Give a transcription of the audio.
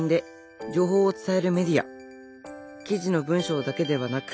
記事の文章だけではなく